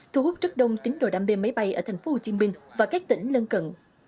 thu hút rất đông tính đồ đam mê máy bay ở thành phố hồ chí minh và các tỉnh lân cận